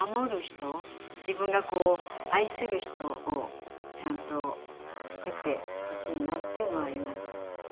自分がこう愛する人をちゃんと作ってほしいなっていうのはあります。